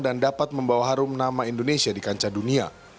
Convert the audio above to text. dan dapat membawa harum nama indonesia di kancah dunia